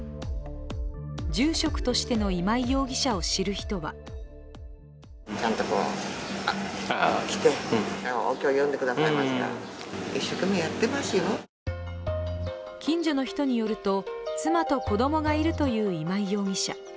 住職としての今井容疑者を知る人は近所の人によると、妻と子供がいるという今井容疑者。